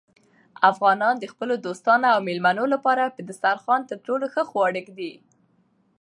افغانان د خپلو دوستانو او مېلمنو لپاره په دسترخوان تر ټولو ښه خواړه ایږدي.